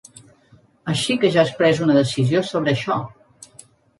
Així que ja has pres una decisió sobre això!